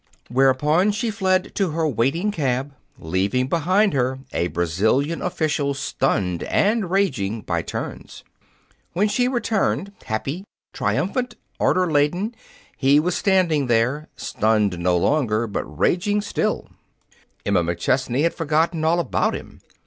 Whereupon she fled to her waiting cab, leaving behind her a Brazilian official stunned and raging by turns. When she returned, happy, triumphant, order laden, he was standing there, stunned no longer but raging still. Emma McChesney had forgotten all about him.